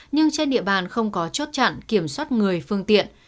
nhưng trên địa bàn không có chốt chặn kiểm soát người phương tiện